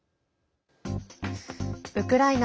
ウクライナ